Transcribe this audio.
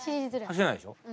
走れないでしょ。